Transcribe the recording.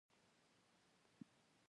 دا پټوکۍ ده